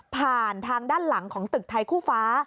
ทางด้านหลังของตึกไทยคู่ฟ้า